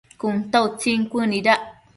Cun ta utsin cuënuidac